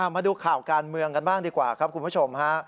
มาดูข่าวการเมืองกันบ้างดีกว่าครับคุณผู้ชมฮะ